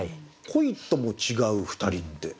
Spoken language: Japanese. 「恋とも違ふ二人」って。